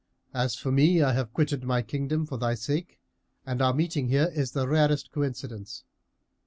As for me, I have quitted my kingdom for thy sake, and our meeting here is the rarest coincidence.